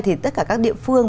thì tất cả các địa phương